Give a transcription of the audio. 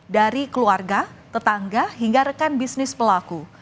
dari keluarga tetangga hingga rekan bisnis pelaku